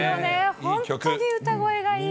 本当に歌声がいい。